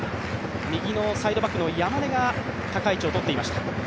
右のサイドバックの山根が高い位置をとっていました。